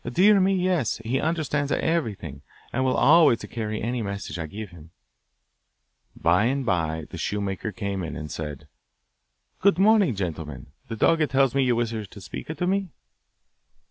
'Dear me, yes! He understands everything, and will always carry any message I give him.' By and bye the shoemaker came in and said, 'Good morning, gentlemen; the dog tells me you wish to speak to me.